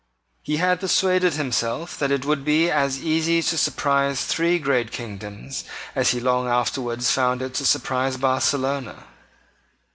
He had persuaded himself that it would be as easy to surprise three great kingdoms as he long afterwards found it to surprise Barcelona.